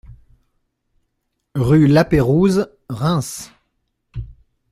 Rue la Pérouse, Reims